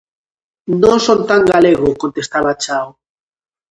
"Non son tan galego", contestaba Chao.